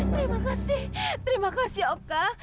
terima kasih terima kasih oka